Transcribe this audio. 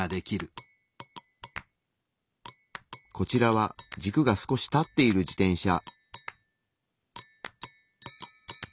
こちらは軸が少し立っている自転車。